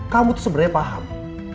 kamu tuh sebenernya paham